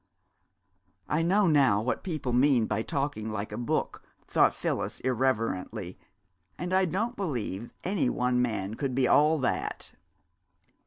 "I know now what people mean by 'talking like a book,'" thought Phyllis irreverently. "And I don't believe any one man could be all that!"